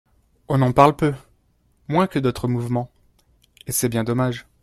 On en parle peu, moins que d’autres mouvements, et c’est bien dommage.